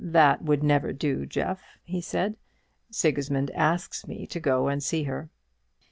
"That would never do, Jeff," he said; "Sigismund asks me to go and see her."